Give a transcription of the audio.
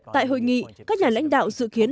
tại hội nghị các nhà lãnh đạo dự kiến